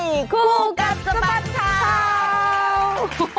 คู่กัดสมัติข่าวคู่กัดสมัติข่าวคู่กัดสมัติข่าว